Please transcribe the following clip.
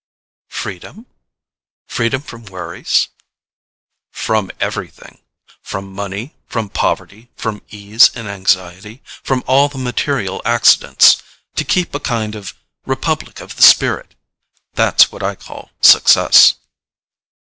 "Freedom? Freedom from worries?" "From everything—from money, from poverty, from ease and anxiety, from all the material accidents. To keep a kind of republic of the spirit—that's what I call success."